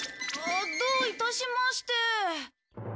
どういたしまして。